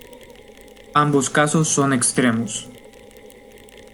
Ambos casos son extremos.